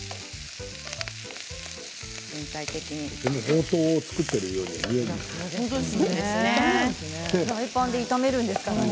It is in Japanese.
ほうとうを作ってるようには見えないですね。